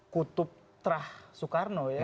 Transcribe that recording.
kutub trah soekarno ya